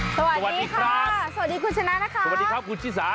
สวัสดีครับสวัสดีคุณชนะนะคะสวัสดีครับคุณชิสา